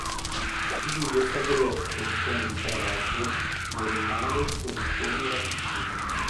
Di lui è stato detto, come di Caravaggio, "morì male così come era vissuto".